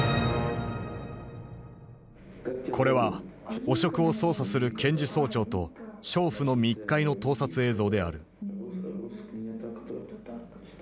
これは汚職を捜査する検事総長と娼婦の密会の盗撮映像である。